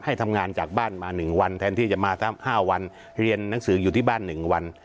ทำงานจากบ้านมา๑วันแทนที่จะมา๕วันเรียนหนังสืออยู่ที่บ้าน๑วัน